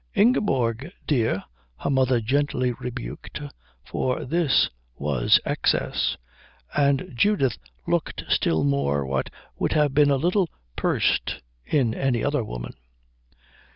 "Ingeborg dear," her mother gently rebuked, for this was excess; and Judith looked still more what would have been a little pursed in any other woman.